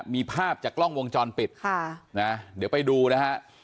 มีภาพจากกล้องวงจรปิดค่ะนะเดี๋ยวไปดูนะฮะ